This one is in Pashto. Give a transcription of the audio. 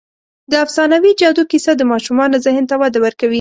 د افسانوي جادو کیسه د ماشومانو ذهن ته وده ورکوي.